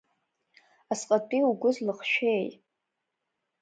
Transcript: Асҟатәи угәы злыхшәеи!